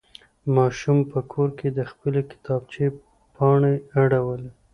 ماشوم په کور کې د خپلې کتابچې پاڼې اړولې.